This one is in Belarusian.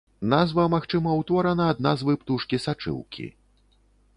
Назва, магчыма, утворана ад назвы птушкі сачыўкі.